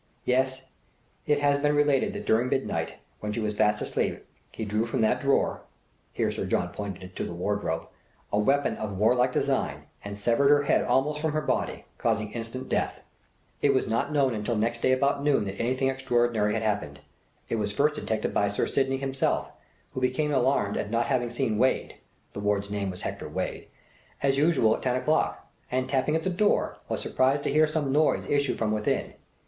Yes, it has been related that during midnight, when she was fast asleep, he drew from that drawer" here Sir John pointed to the wardrobe, "a weapon of warlike design, and severed her head almost from her body, causing instant death. "It was not known until next day about noon that anything extraordinary had happened. It was first detected by Sir Sydney himself, who became alarmed at not having seen Wade the ward's name was Hector Wade as usual at ten o'clock, and tapping at the door, was surprised to hear some noise issue from within.